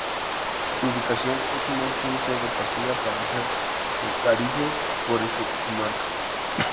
Su ubicación es un buen punto de partida para hacer senderismo por esta comarca.